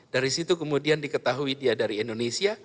dari situ kemudian diketahui dia dari indonesia